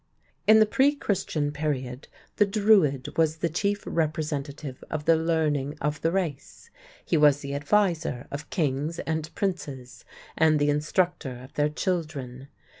In the pre Christian period the Druid was the chief representative of the learning of the race. He was the adviser of kings and princes, and the instructor of their children.